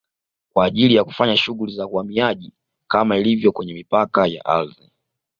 kwa ajili ya kufanya shughuli za uhamiaji kama ilivyo kwenye mipaka ya ardhini